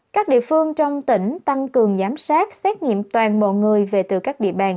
các địa phương trong tỉnh tăng cường giám sát xét nghiệm toàn bộ người về từ các địa bàn